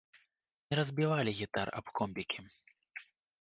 Не разбівалі гітар аб комбікі.